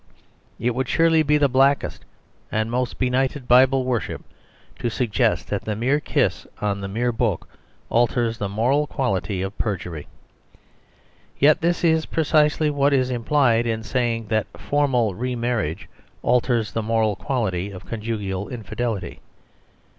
It would surely be the blackest and most benighted Bible worship to suggest that the mere kiss on the mere book alters the moral quality of perjury. Yet this is precisely what is implied in saying that formal re marriage alters the moral quality of conjugal infidelity.